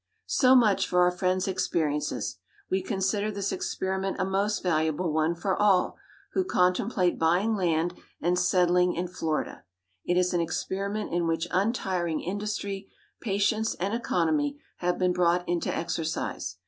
So much for our friend's experiences. We consider this experiment a most valuable one for all who contemplate buying land and settling in Florida. It is an experiment in which untiring industry, patience, and economy have been brought into exercise.